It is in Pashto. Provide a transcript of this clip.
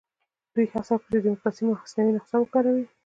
دوی هڅه وکړه چې د ډیموکراسۍ مصنوعي نسخه وکاروي.